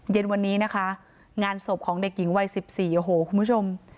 เย็นวันนี้นะคะงานศพของเด็กหญิงวัย๑๔โอ้โหคุณผู้ชม